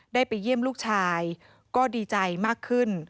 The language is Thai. ได้ไปเยี่ยมลูกชายก็ดีใจมากขึ้น